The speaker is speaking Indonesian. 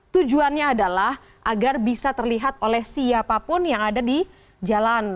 tujuannya adalah agar bisa terlihat oleh siapapun yang ada di jalan